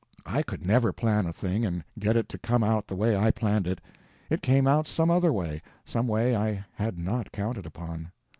I could never plan a thing and get it to come out the way I planned it. It came out some other way—some way I had not counted upon.